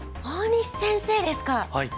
大西先生ですか。